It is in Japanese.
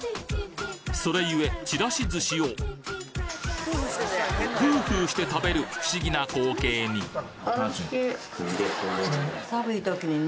それゆえちらし寿司をフーフーして食べる不思議な光景に寒い時にね